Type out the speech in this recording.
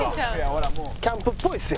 キャンプっぽいですよ。